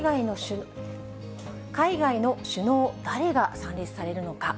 海外の首脳、誰が参列されるのか。